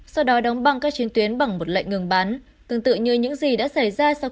sau đó đóng băng các chiến tuyến bằng một lệnh ngừng bán tương tự như những gì đã xảy ra sau